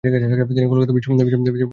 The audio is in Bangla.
তিনি কলকাতা বিশ্ববিদ্যালয়ের ফেলো হন।